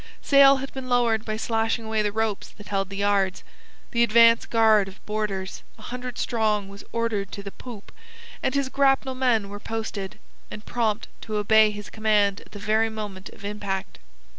Sail had been lowered by slashing away the ropes that held the yards. The advance guard of boarders, a hundred strong, was ordered to the poop, and his grapnel men were posted, and prompt to obey his command at the very moment of impact.